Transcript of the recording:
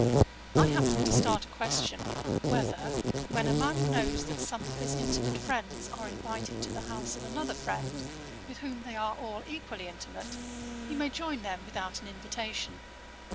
I happened to start a question, whether, when a man knows that some of his intimate friends are invited to the house of another friend, with whom they are all equally intimate, he may join them without an invitation.